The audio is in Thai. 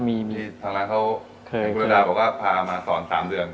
ทางร้านเค้าบริษัทบอกว่าพามาสอน๓เดือน